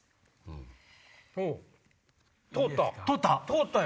通った！